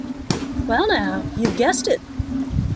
Well now, you’ve guessed it!